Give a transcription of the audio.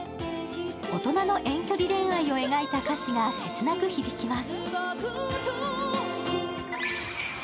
大人の遠距離恋愛を描いた歌詞が切なく響きます。